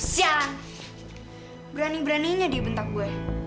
syah berani beraninya dia bentak gue